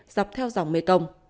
dọc theo dòng mê công